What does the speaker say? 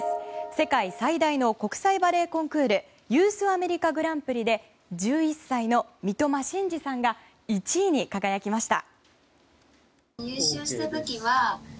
世界最大の国際バレエコンクールユース・アメリカ・グランプリで１１歳の三苫心嗣さんが１位に輝きました。